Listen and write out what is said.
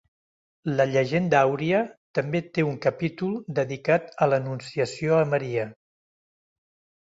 La Llegenda Àuria també té un capítol dedicat a l'Anunciació a Maria.